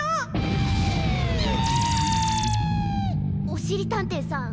おしりたんていさん